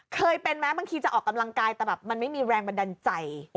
เคยเป็นไหมบางทีจะออกกำลังกายแต่แบบมันไม่มีแรงบันดาลใจ